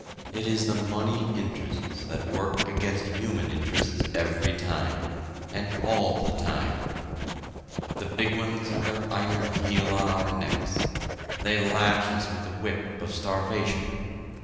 "It is the money interests that work against human interests every time, and all the time. The big ones have their iron heel on our necks. They lash us with the whip of starvation.